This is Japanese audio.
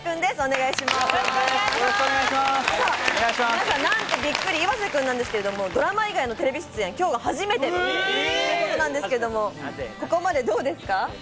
皆さん、なんとびっくり岩瀬くんなんですけれども、ドラマ以外のテレビ出演、きょうが初めてということなんですけれど、ここまでどうですか？